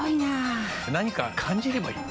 何か感じればいい。